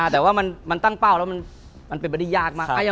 แต่ว่ามันตั้งเป้าแล้วมันเป็นไปได้ยากมาก